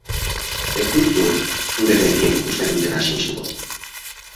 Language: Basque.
Ez duzu zure begiek ikusten dutena sinistuko!